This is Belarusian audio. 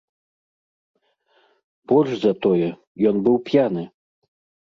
Больш за тое, ён быў п'яны.